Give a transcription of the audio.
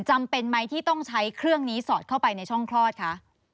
จำเป็นไหมที่ต้องใช้เครื่องนี้สอดเข้าไปในช่องคลอดคะ